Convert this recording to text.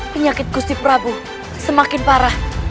penyakit gusri prabu semakin parah